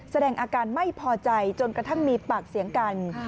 แสดงอาการไม่พอใจจนกระทั่งมีปากเสียงกัน